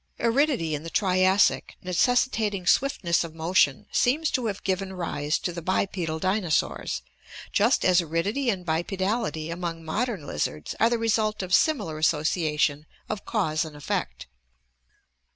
Aridity in the Triassic, necessitating swiftness of motion, seems to have given rise to the bipedal dinosaurs, just as aridity and bipe dality among modern lizards are the result of similar association of cause and effect.